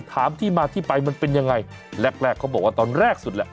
ถามที่มาที่ไปมันเป็นยังไงแรกแรกเขาบอกว่าตอนแรกสุดแหละ